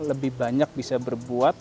lebih banyak bisa berbuat